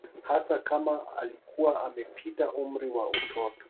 Hasa kama alikuwa amepita umri wa utoto